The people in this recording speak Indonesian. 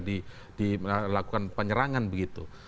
dilakukan penyerangan begitu